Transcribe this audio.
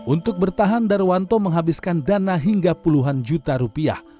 untuk bertahan darwanto menghabiskan dana hingga puluhan juta rupiah